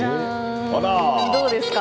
どうですか？